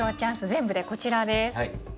全部でこちらです。